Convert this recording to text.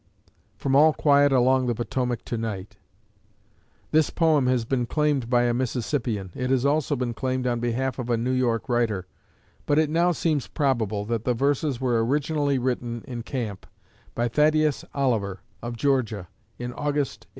From "All Quiet Along the Potomac To night" [This poem has been claimed by a Mississippian. It has also been claimed on behalf of a New York writer; but it now seems probable that the verses were originally written in camp by Thaddeus Oliver, of Georgia, in August, 1861.